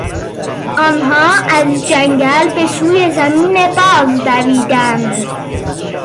آنها از جنگل به سوی زمین باز دویدند.